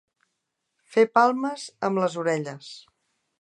Fer palmes amb les orelles.